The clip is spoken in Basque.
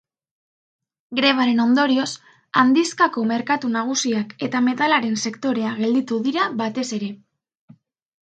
Grebaren ondorioz handizkako merkatu nagusiak eta metalaren sektorea gelditu dira batez ere.